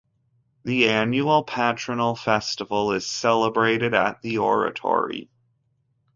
The annual Patronal Festival is celebrated at the Oratory.